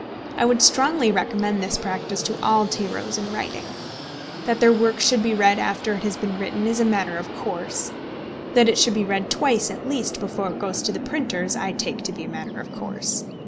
I would strongly recommend this practice to all tyros in writing. That their work should be read after it has been written is a matter of course, that it should be read twice at least before it goes to the printers, I take to be a matter of course.